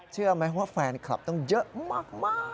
เชื่อไหมว่าแฟนคลับต้องเยอะมาก